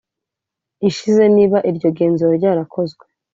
ishize niba iryo genzura ryarakozwe